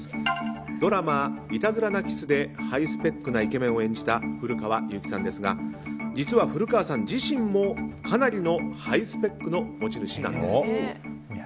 ドラマ「イタズラなＫｉｓｓ」でハイスペックなイケメンを演じた古川雄輝さんですが実は古川さん自身も、かなりのハイスペックの持ち主なんです。